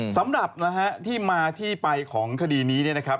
สำหรับที่มาที่ไปของคดีนี้